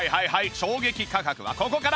衝撃価格はここから！